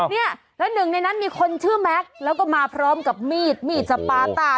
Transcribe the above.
เนี่ยแล้วหนึ่งในนั้นมีคนชื่อแม็กซ์แล้วก็มาพร้อมกับมีดมีดสปาต้า